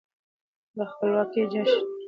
د خپلواکۍ جشن